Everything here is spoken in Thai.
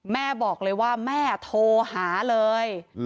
แม่บอกเลยว่าแม่โทรหาเลย